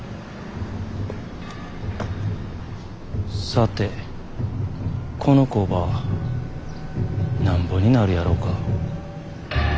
さてこの工場なんぼになるやろか。